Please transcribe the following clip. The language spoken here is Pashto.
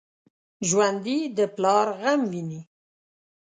ژوندي د پلار غم ویني